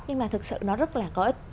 nhưng mà thực sự nó rất là có ích